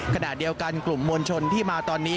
ขณะเดียวกันกลุ่มมวลชนที่มาตอนนี้